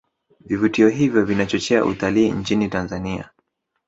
Vivutio hivyo vinachochea utalii nchini tanzania